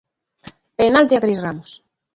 Penalti a Cris Ramos.